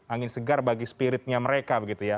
angin segar bagi spiritnya mereka begitu ya